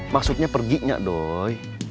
maksudnya perginya doy